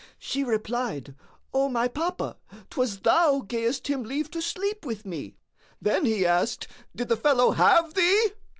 She replied,:—O my papa, 'twas thou gavest him leave to sleep with me. Then he asked,:—Did the fellow have thee?